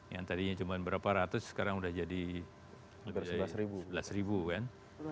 yang tadinya cuma berapa ratus sekarang sudah jadi sebelas kan